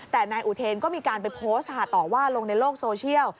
แต่นายอุเทนก็มีการไปโพสต์ค่ะต่อว่าลงในโลกโซเชียล